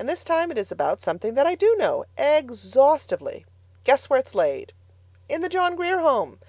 And this time it is about something that I do know exhaustively. Guess where it's laid? In the John Grier Home!